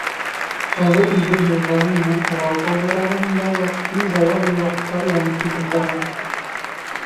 Оло Иҙел йылғаһы менән Урал тауҙары араһындағы киң дала буйлап каруан китеп бара.